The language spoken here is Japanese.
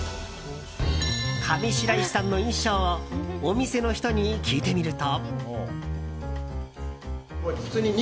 上白石さんの印象をお店の人に聞いてみると。